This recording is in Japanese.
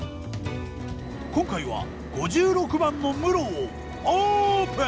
今回は５６番の室をオープン！